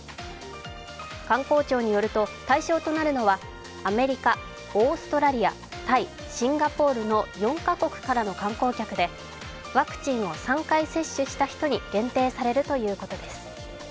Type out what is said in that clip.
観光庁によると対象となるのはアメリカ、オーストラリア、タイ、シンガポールの４カ国からの観光客でワクチンを３回接種した人に限定されるということです。